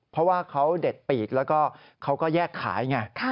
เพราะว่าเขาเด็ดปีกแล้วก็แยกขาย